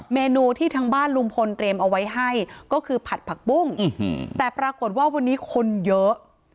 เมนูที่ทางบ้านลุงพลเตรียมเอาไว้ให้ก็คือผัดผักปุ้งแต่ปรากฏว่าวันนี้คนเยอะ